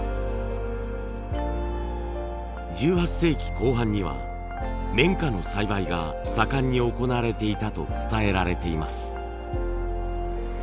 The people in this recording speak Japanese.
１８世紀後半には綿花の栽培が盛んに行われていたと伝えられています。